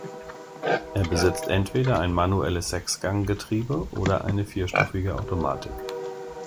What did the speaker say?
Er besitzt entweder ein manuelles Sechsganggetriebe oder eine vierstufige Automatik.